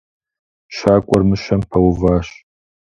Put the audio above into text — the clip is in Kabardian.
Щакӏуэр мыщэм пэуващ.